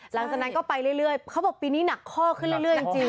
หลังจากนั้นก็ไปเรื่อยเขาบอกปีนี้หนักข้อขึ้นเรื่อยจริง